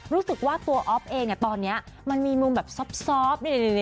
รู้สึกว่าตัวอ๊อฟเองตอนนี้มันมีมุมแบบซอบ